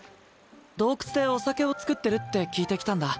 洞窟でお酒を造ってるって聞いて来たんだ。